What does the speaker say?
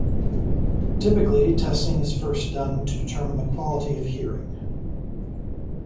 Typically, testing is first done to determine the quality of hearing.